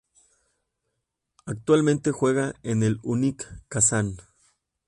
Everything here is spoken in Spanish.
Actualmente juega en el Unics Kazan.